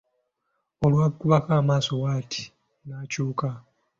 Olwamukubako amaaso bw'ati n'akyuka.